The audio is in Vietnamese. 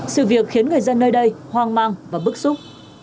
sự việc khiến người dân nơi đây hoang mang và bức xúc